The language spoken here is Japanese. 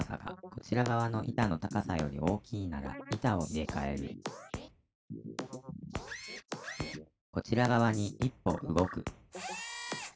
こちら側の板の高さより大きいなら板を入れかえるこちら側に１歩動く。